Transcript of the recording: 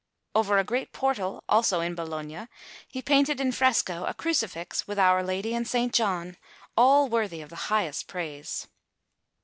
Over a great portal, also, in Bologna, he painted in fresco a Crucifix with Our Lady and S. John, all worthy of the highest praise.